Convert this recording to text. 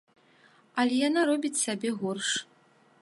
Але яна робіць сабе горш.